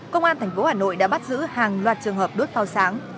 công an thành phố hà nội đã bắt giữ hàng loạt trường hợp đốt phao sáng